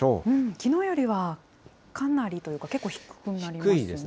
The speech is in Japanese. きのうよりはかなりというか、結構低くなりますね。